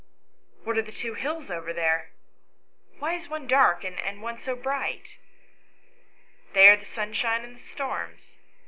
" What are the two hills over there ? why is one dark and one. so bright?" " They are the sunshine and the storms.